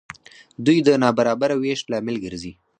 دوی د نابرابره وېش لامل ګرځي.